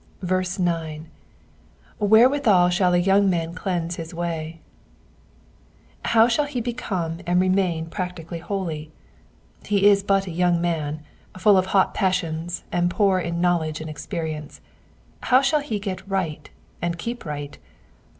9. ^^Wherewithal shall a young man eUanae his wayV* How shall he be come and remain practically holy ? He is but a young man, full of hot passions, and poor in knowledge and experience ; how shall he get right, and keep right